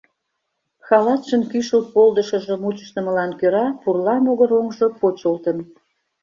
Халатшын кӱшыл полдышыжо мучыштымылан кӧра пурла могыр оҥжо почылтын.